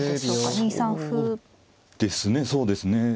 そうですねそうですね。